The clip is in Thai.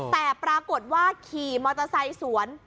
แต่ปรากฏว่าขี่มอเตอร์ไซค์สวน